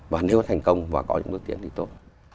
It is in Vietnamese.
và nếu nó thành công và có những bước tiến thì tốt